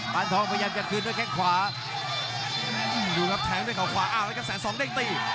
นทองพยายามจะคืนด้วยแข้งขวาดูครับแทงด้วยเขาขวาอ้าวแล้วครับแสนสองเด้งตี